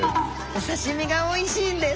お刺身がおいしいんです。